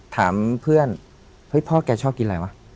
ถามเพื่อนเฮ้ยพ่อแกชอบกินอะไรวะ